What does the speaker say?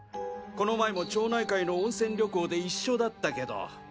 この前も町内会の温泉旅行で一緒だったけど。